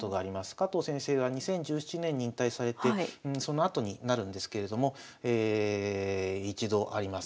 加藤先生が２０１７年に引退されてそのあとになるんですけれども一度あります。